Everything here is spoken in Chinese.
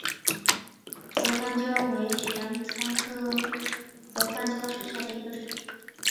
泽番椒为玄参科泽番椒属下的一个种。